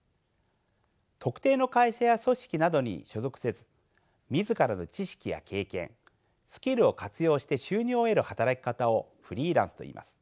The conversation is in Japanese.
特定の会社や組織などに所属せず自らの知識や経験スキルを活用して収入を得る働き方をフリーランスといいます。